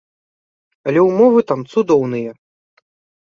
Але ўмовы там цудоўныя.